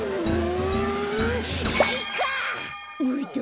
うん！